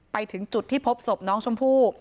ไปถึงจุดที่พบศพน้องชมพู่